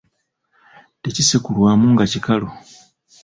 Tekisekulwamu nga kikalu.